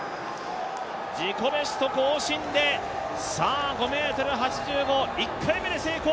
自己ベスト更新で５ｍ８５、１回目で成功。